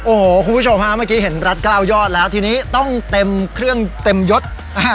โอ้โหคุณผู้ชมฮะเมื่อกี้เห็นรัฐ๙ยอดแล้วทีนี้ต้องเต็มเครื่องเต็มยศ